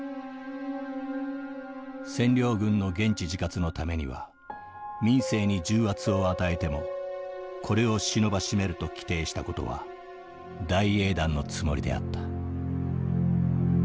「占領軍の現地自活のためには民生に重圧を与えてもこれを忍ばしめると規定したことは大英断のつもりであった」。